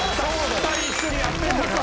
２人一緒にやってんだから。